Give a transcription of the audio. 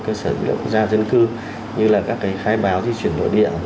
cơ sở dữ liệu quốc gia dân cư như là các cái khai báo di chuyển nội địa